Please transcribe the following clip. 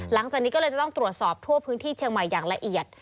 หลังจากนี้ก็เลยจะต้องตรวจสอบทั่วพื้นที่เชียงใหม่อย่างละเอียด